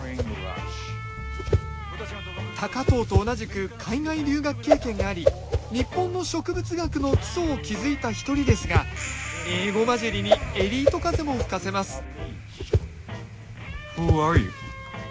高藤と同じく海外留学経験があり日本の植物学の基礎を築いた一人ですが英語交じりにエリート風も吹かせますＷｈｏａｒｅｙｏｕ？